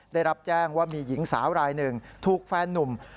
ได้รับแจ้งว่ามีหญิงสาวรายหนึ่งถูกแฟนนุ่ม